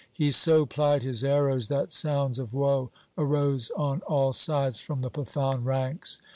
He so plied his arrows that sounds of woe arose on all sides from the Pathan ranks.